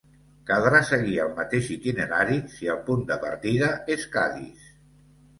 Caldrà seguir el mateix itinerari si el punt de partida és Cadis.